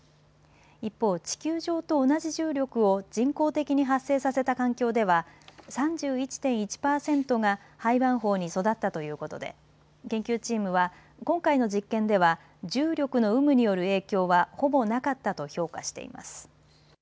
一方、地球上と同じ重力を人工的に発生させた環境では３１．１％が胚盤胞に育ったということで研究チームは今回の実験では重力の有無による影響はほぼなかったと評価しています。